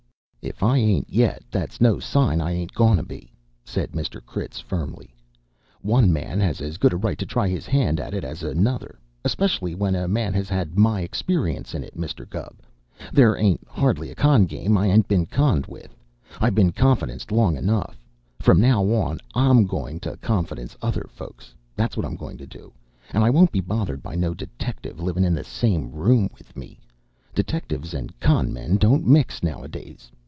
"If I ain't yet, that's no sign I ain't goin' to be," said Mr. Critz firmly. "One man has as good a right to try his hand at it as another, especially when a man has had my experience in it. Mr. Gubb, there ain't hardly a con' game I ain't been conned with. I been confidenced long enough; from now on I'm goin' to confidence other folks. That's what I'm goin' to do; and I won't be bothered by no detective livin' in the same room with me. Detectives and con' men don't mix noways!